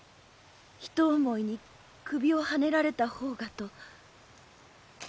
一思いに首をはねられた方がと。